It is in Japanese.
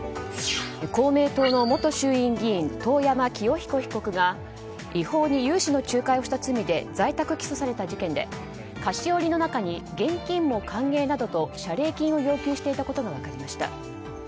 公明党の元衆院議員遠山清彦被告が違法に融資の仲介をした罪で在宅起訴された事件で菓子折りの中に現金も歓迎などと、謝礼金を要求していたことが分かりました。